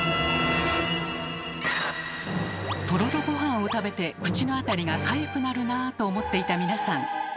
とろろごはんを食べて口のあたりがかゆくなるなと思っていた皆さん。